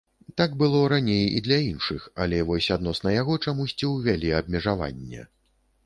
Так было раней і для іншых, але вось адносна яго чамусьці ўвялі абмежаванне.